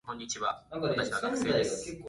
本来の担ぎ技が出ました。